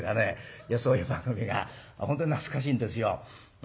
いやそういう番組が本当に懐かしいんですよ。